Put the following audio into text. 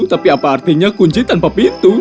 tapi apa artinya kunci tanpa pintu